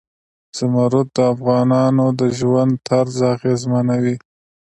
زمرد د افغانانو د ژوند طرز اغېزمنوي.